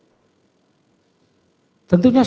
ada kejadian dan diceritakan